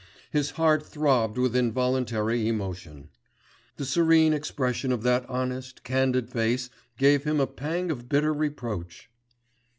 His heart throbbed with involuntary emotion: the serene expression of that honest, candid face gave him a pang of bitter reproach.